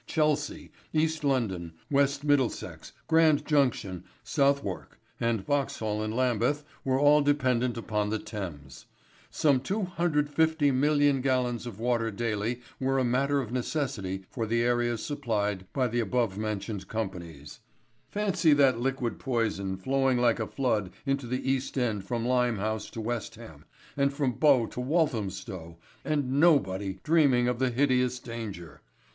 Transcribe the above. Chelsea, East London, West Middlesex, Grand Junction, Southwark, and Vauxhall and Lambeth were all dependent upon the Thames. Some 250,000,000 gallons of water daily were a matter of necessity for the areas supplied by the above named companies. Fancy that liquid poison flowing like a flood into the Fast End from Limehouse to West Ham, and from Bow to Walthamstow, and nobody dreaming of the hideous danger!